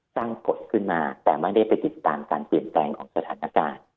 กฎขึ้นมาแต่ไม่ได้ไปติดตามการเปลี่ยนแปลงของสถานการณ์